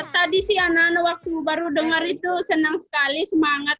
tadi sih anak anak waktu baru dengar itu senang sekali semangat